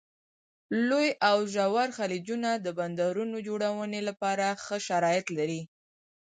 لوی او ژور خلیجونه د بندرونو جوړونې لپاره ښه شرایط لري.